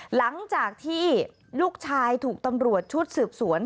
หลังจากที่ลูกชายถูกตำรวจชุดสืบสวน